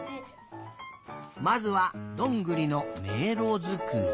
まずはどんぐりのめいろづくり。